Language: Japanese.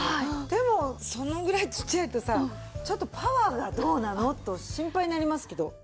でもそのぐらいちっちゃいとさちょっとパワーがどうなの？と心配になりますけど。